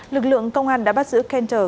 lực lượng công an đã bắt giữ kenter